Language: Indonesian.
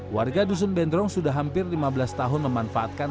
warga dusun bendrong sudah hampir lima belas tahun memanfaatkan